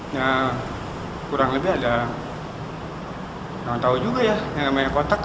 nah kurang lebih ada gak tau juga ya yang namanya kotak